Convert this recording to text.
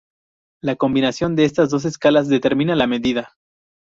La combinación de estas dos escalas determina la medida.